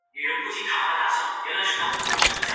咸丰三年癸丑科进士。